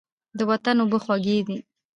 د وطن اوبه خوږې دي.